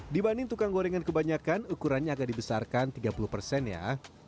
dibanding tukang gorengan kebanyakan ukurannya agak dibesarkan tiga puluh persen ya